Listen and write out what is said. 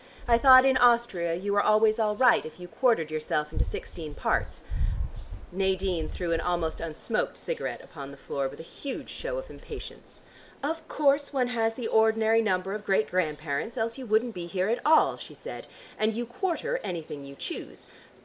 "I thought in Austria you were always all right if you quartered yourself into sixteen parts." Nadine threw an almost unsmoked cigarette upon the floor with a huge show of impatience. "Of course one has the ordinary number of great grandparents, else you wouldn't be here at all," she said, "and you quarter anything you choose.